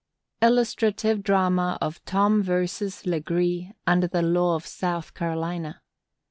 Illustrative Drama of Tom v. Legree, under the Law of South Carolina.